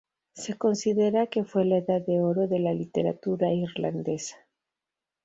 Se considera que fue la edad de oro de la literatura irlandesa.